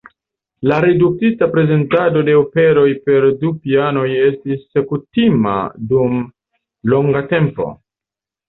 La reduktita prezentado de operoj per du pianoj estis kutima dum longa tempo.